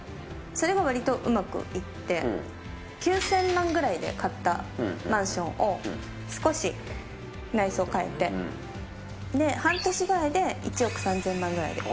９０００万くらいで買ったマンションを少し内装を変えて半年ぐらいで１億３０００万ぐらいで。